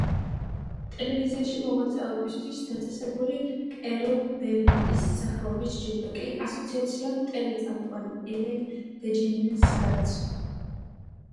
ტელევიზიაში მოღვაწეობისთვის დაწესებული კეროლ ბერნეტის სახელობის ჯილდო კი, ასოციაციამ ტელეწამყვან ელენ დეჯენერესს გადასცა.